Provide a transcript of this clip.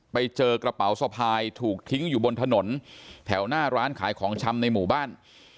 ไปเจอกระเป๋าสะพายถูกทิ้งอยู่บนถนนแถวหน้าร้านขายของชำในหมู่บ้าน